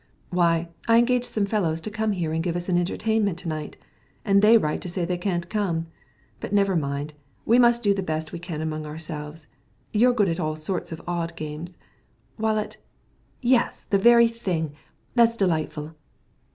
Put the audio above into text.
"Why, I engaged some fellows to come here and give us an entertainment to night, and they write to say they can't come. But never mind; we must do the best we can among ourselves. You are good at all sorts of odd games; while at yes, the very thing! that's delightful!"